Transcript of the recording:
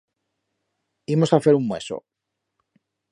Imos a fer un mueso.